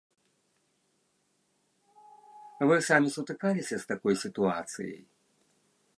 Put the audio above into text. Вы самі сутыкаліся з такой сітуацыяй?